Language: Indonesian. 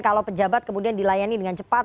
kalau pejabat kemudian dilayani dengan cepat